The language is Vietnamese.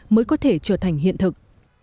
mới có thể trở thành hiện thực